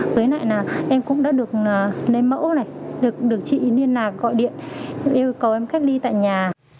với lại là em cũng đã được lấy mẫu này được chị liên lạc gọi điện yêu cầu em cách ly tại nhà